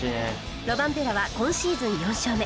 ロバンペラは今シーズン４勝目